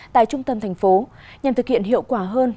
tại trung tâm thành phố nhằm thực hiện hiệu quả hơn